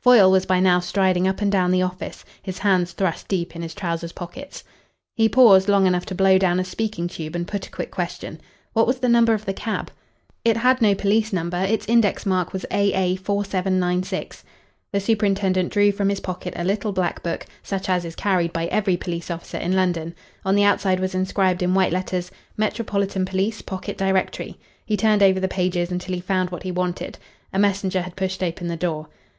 Foyle was by now striding up and down the office, his hands thrust deep in his trousers pockets. He paused long enough to blow down a speaking tube and put a quick question. "What was the number of the cab?" "It had no police number. Its index mark was A.A. 4796." The superintendent drew from his pocket a little black book, such as is carried by every police officer in London. On the outside was inscribed in white letters: "Metropolitan Police. Pocket Directory." He turned over the pages until he found what he wanted. A messenger had pushed open the door.